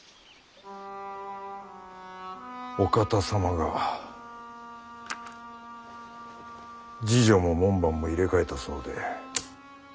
お方様が侍女も門番も入れ替えたそうで。